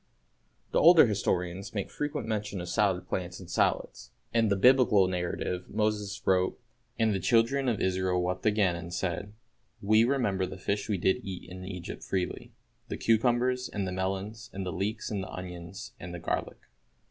The older historians make frequent mention of salad plants and salads. In the biblical narrative Moses wrote: "And the children of Israel wept again and said, We remember the fish which we did eat in Egypt freely; the cucumbers, and the melons, and the leeks, and the onions, and the garlick."